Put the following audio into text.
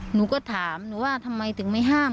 หนูก็ถามหนูว่าทำไมถึงไม่ห้าม